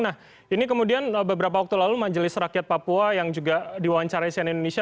nah ini kemudian beberapa waktu lalu majelis rakyat papua yang juga diwawancarai sian indonesia